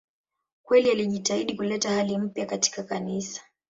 Kweli alijitahidi kuleta hali mpya katika Kanisa.